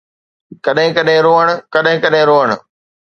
ڪڏھن ڪڏھن روئڻ، ڪڏھن ڪڏھن روئڻ